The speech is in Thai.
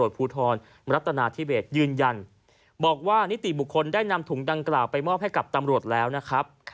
ภูทรรัฐนาธิเบสยืนยันบอกว่านิติบุคคลได้นำถุงดังกล่าวไปมอบให้กับตำรวจแล้วนะครับ